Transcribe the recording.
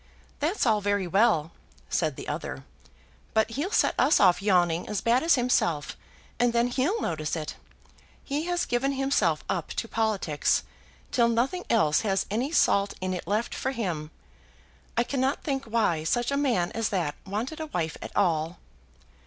"That's all very well," said the other; "but he'll set us off yawning as bad as himself, and then he'll notice it. He has given himself up to politics, till nothing else has any salt in it left for him. I cannot think why such a man as that wanted a wife at all."